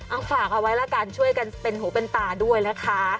เอาฝากเอาไว้ละกันช่วยกันเป็นหูเป็นตาด้วยนะคะ